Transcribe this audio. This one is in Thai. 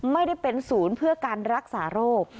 ไม่ได้เป็นศูนย์เพื่อการรักษาโรค